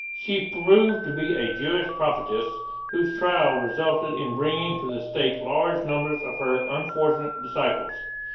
She proved to be a Jewish prophetess whose trial resulted in bringing to the stake large numbers of her unfortunate disciples.